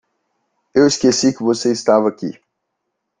Eu esqueci que você estava aqui.